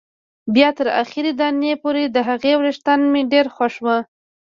بیا تر اخري دانې پورې، د هغې وېښتان مې ډېر خوښ وو.